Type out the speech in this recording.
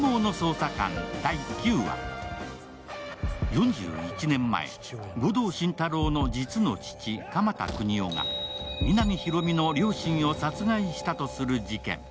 ４１年前、護道心太朗の実の父鎌田國士が皆実広見の両親を殺害したとする事件。